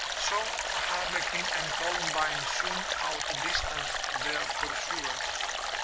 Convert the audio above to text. So Harlequin and Columbine soon out distanced their pursuers.